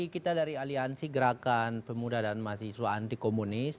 kita dari aliansi gerakan pemuda dan mahasiswa anti komunis